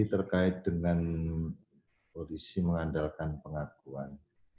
terkait dengan polisi mengandalkan pengakuan